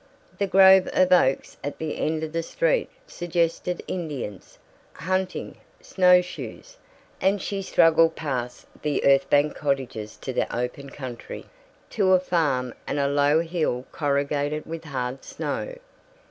The grove of oaks at the end of the street suggested Indians, hunting, snow shoes, and she struggled past the earth banked cottages to the open country, to a farm and a low hill corrugated with hard snow.